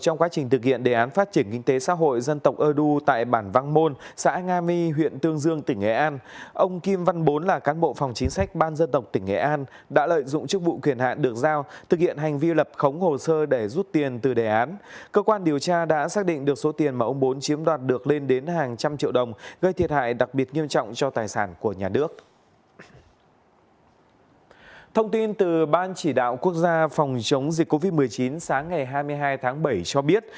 nhưng từ ban chỉ đạo quốc gia phòng chống dịch covid một mươi chín sáng ngày hai mươi hai tháng bảy cho biết